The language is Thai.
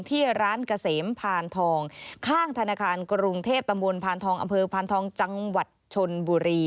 ที่ร้านเกษมพานทองข้างธนาคารกรุงเทพตพอพจบ